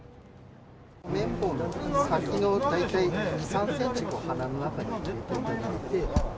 綿棒の先の大体２、３センチを鼻の中に入れていただいて。